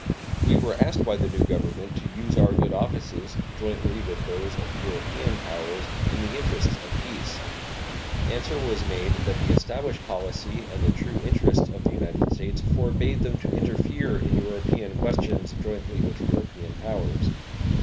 We were asked by the new Government to use our good offices, jointly with those of European powers, in the interests of peace. Answer was made that the established policy and the true interests of the United States forbade them to interfere in European questions jointly with European powers.